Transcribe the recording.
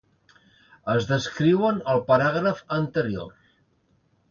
Es descriuen al paràgraf anterior.